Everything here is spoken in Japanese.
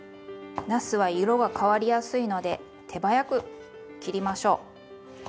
なすは色が変わりやすいので手早く切りましょう。